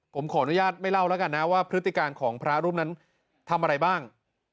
ผมขออนุญาตไม่เล่าแล้วกันนะว่าพฤติการของพระรูปนั้นทำอะไรบ้าง